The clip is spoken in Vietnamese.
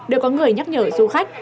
đều có người nhắc nhở du khách